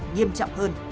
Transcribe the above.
nghiêm trọng hơn